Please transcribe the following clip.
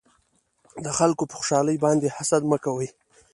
د خلکو په خوشحالۍ باندې حسد مکوئ